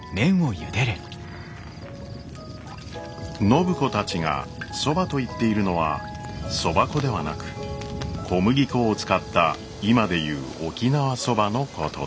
暢子たちが「そば」と言っているのはそば粉ではなく小麦粉を使った今で言う「沖縄そば」のことです。